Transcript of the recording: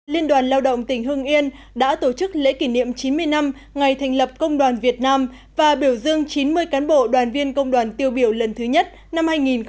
liên đoàn lao động tỉnh hưng yên đã tổ chức lễ kỷ niệm chín mươi năm ngày thành lập công đoàn việt nam và biểu dương chín mươi cán bộ đoàn viên công đoàn tiêu biểu lần thứ nhất năm hai nghìn một mươi chín